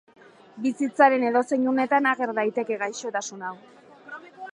Bizitzaren edozein unetan ager daiteke gaixotasun hau.